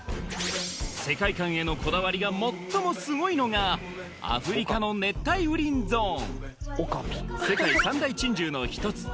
世界観へのこだわりが最もすごいのがアフリカの熱帯雨林ゾーン世界三大珍獣の一つ